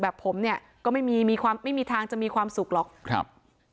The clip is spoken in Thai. แบบผมเนี่ยก็ไม่มีมีความไม่มีทางจะมีความสุขหรอกครับ